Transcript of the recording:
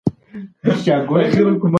ستا هر مشکل به په تدریجي ډول حل شي.